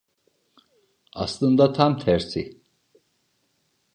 Aslında tam tersi.